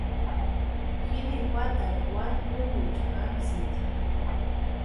Jini juatarhu wani kumucha jamsïnti.